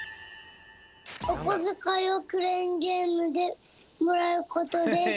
おこづかいをクレーンゲームでもらうことです。